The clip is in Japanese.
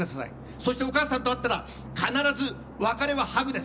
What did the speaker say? そして、お母さんに会ったら必ず別れはハグです。